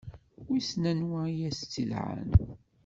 Wissen anwa i as-tt-yedɛan.